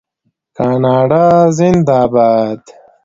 کاناډا زنده باد.